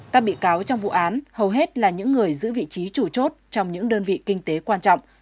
các bị cáo trong vụ án hầu hết là những người giữ vị trí chủ chốt trong những đơn vị kinh tế quan trọng